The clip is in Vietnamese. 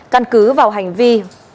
căn cứ vào hành vi